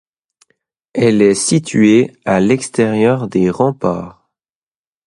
Elle est située à l'extérieur des remparts.